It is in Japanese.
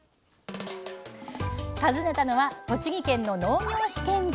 訪ねたのは栃木県の農業試験場。